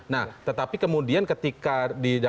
nah tetapi kemudian ketika